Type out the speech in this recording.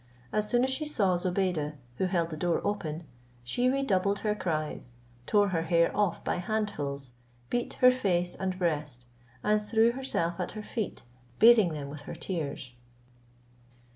As soon as she saw Zobeide, who held the door open, she redoubled her cries, tore her hair off by handfuls, beat her face and breast, and threw herself at her feet, bathing them with her tears.